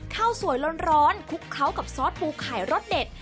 ข้าวสวยร้อนคลุกเคล้ากับซอสปูไข่รสเด็ด